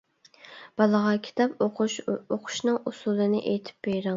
بالىغا كىتاب ئوقۇش ئوقۇشنىڭ ئۇسۇلىنى ئېيتىپ بېرىڭ.